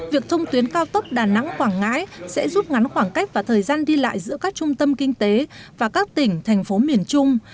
việc thông tuyến cao tốc đà nẵng quảng ngãi sẽ rút ngắn khoảng cách và thời gian đi lại giữa các trung tâm kinh tế và các tỉnh thành phố miền trung